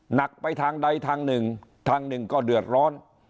หนักไปทางใดทางหนึ่งทางหนึ่งก็เดือดร้อน